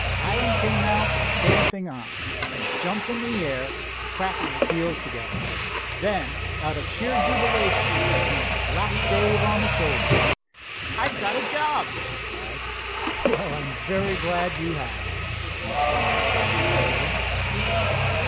Hiram came out with dancing eyes. He jumped up in the air, cracking his heels together. Then, out of sheer jubilation, he slapped Dave on the shoulder. "I've got a job!" he cried. "I'm very glad you have," responded Dave heartily.